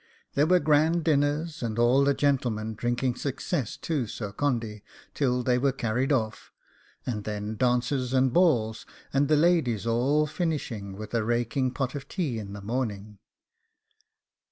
There were grand dinners, and all the gentlemen drinking success to Sir Condy till they were carried off; and then dances and balls, and the ladies all finishing with a raking pot of tea in the morning.